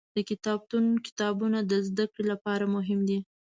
د کتابتون کتابونه د زده کړې لپاره مهم دي.